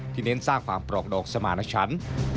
ที่เน้นสร้างความปลอกดอกสมาช์หน้าชั้น